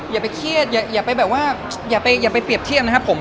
อย่าไปเครียดอย่าไปแบบว่าอย่าไปเปรียบเทียบนะครับผม